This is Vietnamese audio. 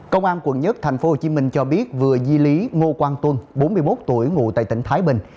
công an quận một tp hcm cho biết vừa di lý ngô quang tuân bốn mươi một tuổi ngụ tại tỉnh thái bình